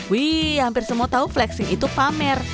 wih hampir semua tahu flexing itu pamer